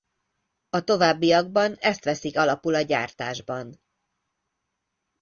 A továbbiakban ezt veszik alapul a gyártásban.